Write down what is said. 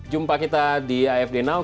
jumpa kita di afd now